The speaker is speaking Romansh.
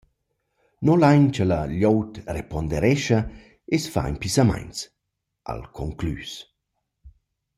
«Nus vulain cha la glieud reponderescha e’s fa impissamaints», ha’l conclüs.